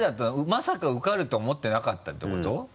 まさか受かるとは思ってなかったってこと？